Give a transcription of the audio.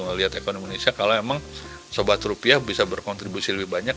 melihat ekonomi indonesia kalau emang sobat rupiah bisa berkontribusi lebih banyak